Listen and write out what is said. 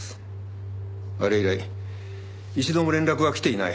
あれ以来一度も連絡は来ていない。